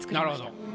なるほど。